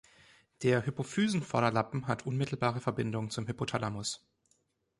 Der Hypophysenvorderlappen hat unmittelbare Verbindung zum Hypothalamus.